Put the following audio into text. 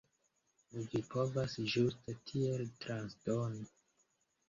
Vi povas ĝuste tiel transdoni.